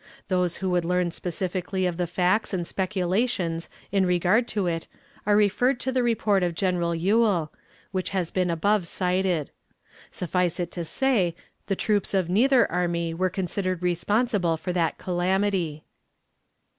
Those who would learn specifically the facts and speculations in regard to it are referred to the report of General Ewell, which has been above cited. Suffice it to say, the troops of neither army were considered responsible for that calamity.